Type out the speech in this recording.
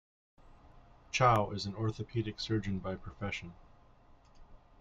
Chow is an orthopaedic surgeon by profession.